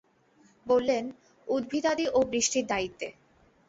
বললেন, উদ্ভিদাদি ও বৃষ্টির দায়িত্বে।